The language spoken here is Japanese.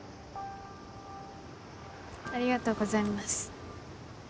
ありがとうございます。